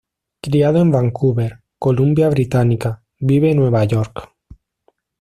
Criado en Vancouver, Columbia Británica, vive Nueva York.